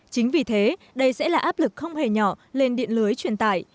chính vì thế đây sẽ là áp lực không hề nhỏ lên điện lưới truyền tải